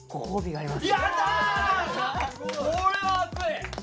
これは熱い！